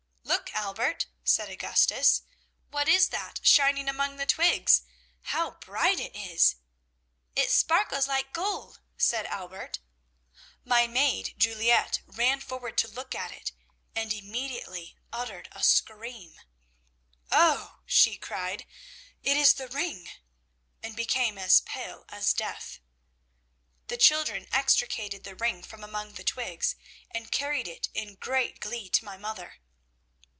"'Look, Albert!' said Augustus, 'what is that shining among the twigs? How bright it is!' "'It sparkles like gold,' said Albert. "My maid, Juliette, ran forward to look at it, and immediately uttered a scream. "'Oh,' she cried, 'it is the ring!' and became as pale as death. "The children extricated the ring from among the twigs, and carried it in great glee to my mother.